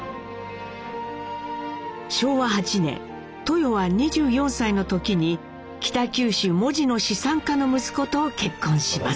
昭和８年豊は２４歳の時に北九州・門司の資産家の息子と結婚します。